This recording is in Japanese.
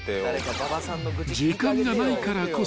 ［時間がないからこそ］